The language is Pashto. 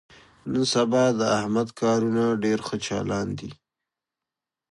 نن سبا د احمد کارونه ډېر ښه چالان دي.